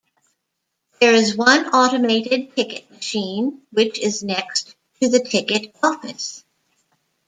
There is one automated ticket machine, which is next to the ticket office.